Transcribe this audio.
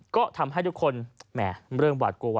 ก็ทำให้ทุกคนแหมเริ่มหวาดกลัว